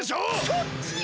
そっちよ！